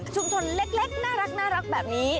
ชุมชนเล็กน่ารักแบบนี้